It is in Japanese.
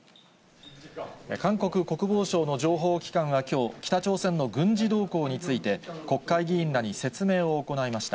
韓国国防省の情報機関はきょう、北朝鮮の軍事動向について、国会議員らに説明を行いました。